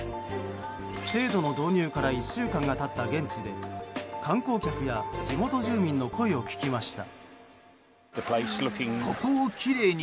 制度の導入から１週間が経った現地で観光客や地元住民の声を聞きました。